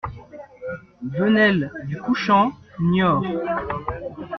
Venelle du Couchant, Niort